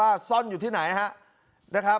พระอยู่ที่ตะบนมไพรครับ